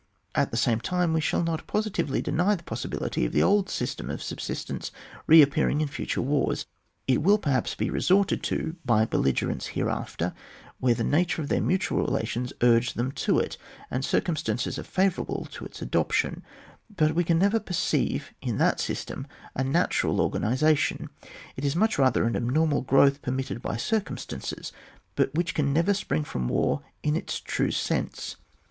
At the same time we shall not posi tively deny the possibility of the old sys tem of subsistence reappearing ia future wars ; it will perhaps be resorted to by belligerents hereafter, where the nature of their mutual relations urge them to it, and circumstances are favourable to its adoption ; but we can never perceive in that system a natural organisation ; it is much rather an abnormal growth per mitted by circumstances, but which can never spring from war ia its true sense.